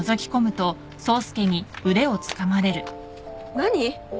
何？